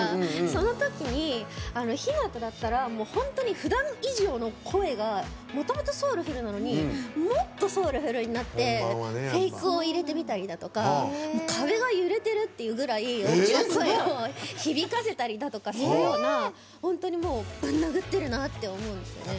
そのときに日向だったら本当にふだん以上の声がもともとソウルフルなのにもっとソウルフルになってフェイクを入れてみたりとか壁が揺れてるっていうぐらい響かせたりとかするような本当にぶん殴ってるなって思うんですね。